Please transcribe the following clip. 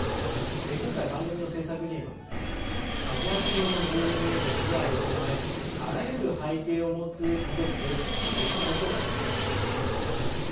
今回、番組の制作陣はアジア系の住民への被害を踏まえあらゆる背景を持つ家族を支えていきたいとしています。